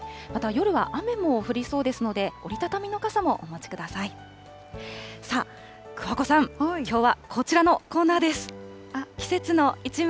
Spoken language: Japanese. また夜は雨も降りそうですので、折り畳みの傘もお持ちください。